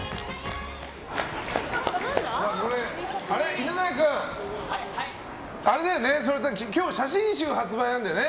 犬飼君、今日写真集発売なんだよね？